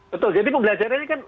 betul jadi pembelajarannya kan